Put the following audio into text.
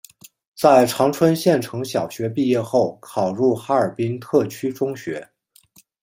在长春县城小学毕业后考入哈尔滨特区中学。